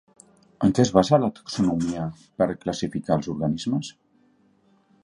En què es basa la Taxonomia per classificar els organismes?